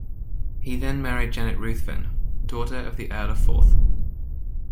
He then married Janet Ruthven, daughter of the Earl of Forth.